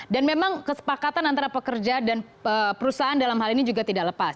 dan memang kesepakatan antara pekerja dan perusahaan dalam hal ini juga tidak lepas